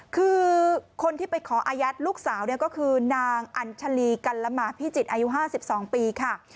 คือคนที่ไปขออายัดลูกสาวเนี่ยก็คือนางอัญชาลีกัลละหมาพิจิตรอายุ๕๒ปีค่ะ